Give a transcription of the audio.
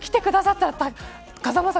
来てくださったら風間さん